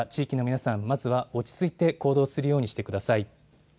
強い揺れが起きた地域の皆さん、まずは落ち着いて行動するようにしてください。